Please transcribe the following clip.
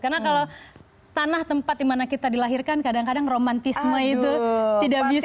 karena kalau tanah tempat dimana kita dilahirkan kadang kadang romantisme itu tidak bisa